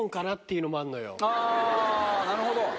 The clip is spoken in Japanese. あなるほど。